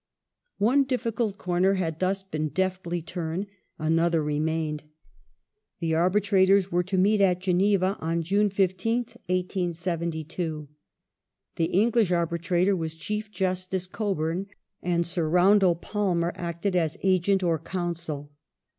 The One difficult corner had thus been deftly turned : another re A^bitra "^^^^^d. The Arbitrator were to meet at Geneva on June 15th, tion 1872. The English Arbitrator was Chief Justice Cockburn, and Sir Roundell Palmer acted as Agent or Counsel.